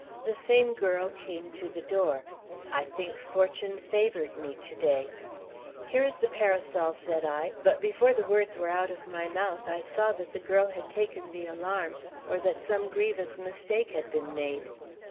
The same girl came to the door. I think fortune favored me to day. 'Here is the parasol,' said I, but before the words were out of my mouth I saw that the girl had taken the alarm or that some grievous mistake had been made.